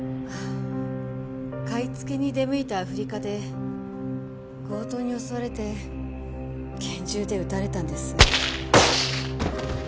買いつけに出向いたアフリカで強盗に襲われて拳銃で撃たれたんです。